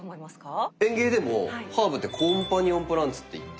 園芸でもハーブでコンパニオンプランツって言って。